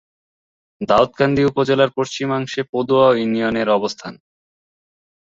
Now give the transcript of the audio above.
দাউদকান্দি উপজেলার পশ্চিমাংশে পদুয়া ইউনিয়নের অবস্থান।